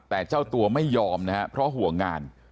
แต่เจ้าตัวไม่ยอมนะครับเพราะห่วงงาน